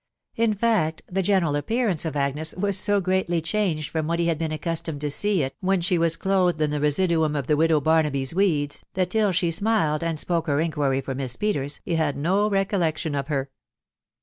In fact, the general appearance of Agnes was so greatly changed facet what he had been accustomed to see it when she waa etothee in the residuum of the Widow Barnaby's weeds, that MS she smiled, and spoke her inquiry for Miss Peters, he had no recollection of her.